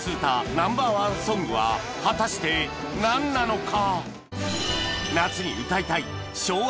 Ｎｏ．１ ソングは果たしてなんなのか？